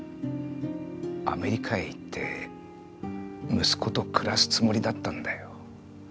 アメリカへ行って息子と暮らすつもりだったんだよ。